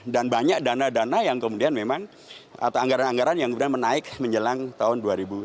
dan banyak dana dana yang kemudian memang atau anggaran anggaran yang benar benar menaik menjelang tahun dua ribu sembilan belas